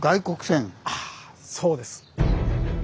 あそうです。